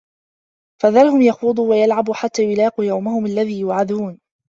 فَذَرهُم يَخوضوا وَيَلعَبوا حَتّى يُلاقوا يَومَهُمُ الَّذي يوعَدونَ